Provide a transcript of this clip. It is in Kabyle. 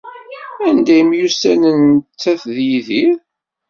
Anda i myussanen nettat d Yidir?